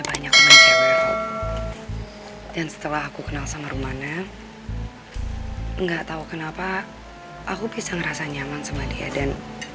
banyak mencewer dan setelah aku kenal sama rumahnya enggak tahu kenapa aku bisa ngerasa nyaman sama dia dan